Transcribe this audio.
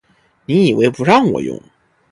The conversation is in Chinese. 你以为不让我用